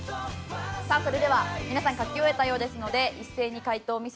さあそれでは皆さん書き終えたようですので一斉に解答を見せてください。